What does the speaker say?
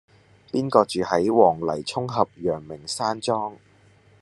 邊個住喺黃泥涌峽陽明山莊